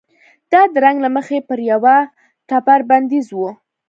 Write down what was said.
دا د رنګ له مخې پر یوه ټبر بندیز و.